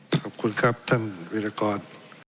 ขอบคุณครับท่านวิรากร